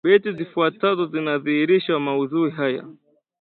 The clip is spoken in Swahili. Beti zifuatazo zinadhihirisha maudhui haya: